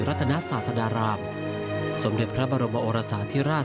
รัฐนาศาสดารามสมเด็จพระบรมโอรสาธิราช